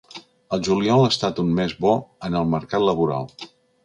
El juliol ha estat un mes bo en el mercat laboral.